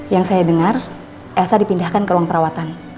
yang saya dengar elsa dipindahkan ke ruang perawatan